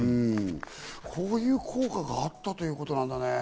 こういう効果があったということだね。